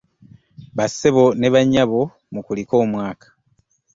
Ba ssebo ne ba nnyabo mukulike omwaka.